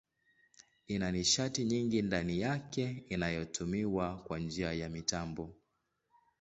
Ina nishati nyingi ndani yake inayotumiwa kwa njia ya mitambo.